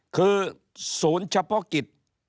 คือศูนย์เฉพาะกิจ